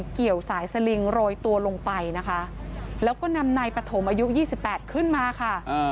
เกี่ยวสายสลิงโรยตัวลงไปนะคะแล้วก็นำในปฐมอายุยี่สิบแปดขึ้นมาค่ะ